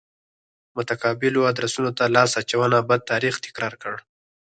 متقابلو ادرسونو ته لاس اچونه بد تاریخ تکرار کړ.